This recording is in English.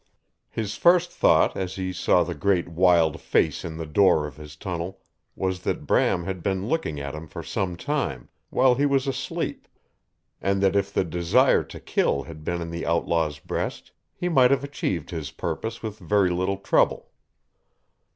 His first thought as he saw the great wild face in the door of his tunnel was that Bram had been looking at him for some time while he was asleep; and that if the desire to kill had been in the outlaw's breast he might have achieved his purpose with very little trouble.